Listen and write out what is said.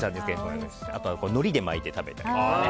あとはのりで巻いて食べたりとか。